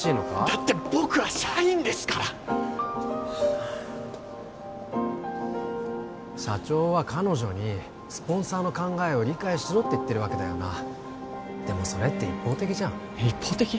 だって僕は社員ですから！社長は彼女にスポンサーの考えを理解しろって言ってるわけだよなでもそれって一方的じゃん一方的？